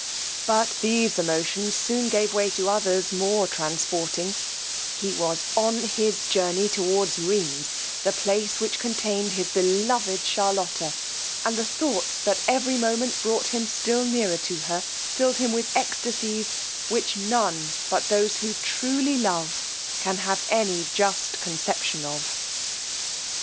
But these emotions soon gave way to others more transporting: he was on his journey towards Rheines, the place which contained his beloved Charlotta; and the thoughts that every moment brought him still nearer to her filled him with extacies, which none but those who truly love can have any just conception of.